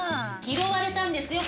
拾われたんですよ！